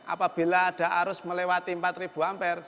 apabila ada arus melewati empat ampere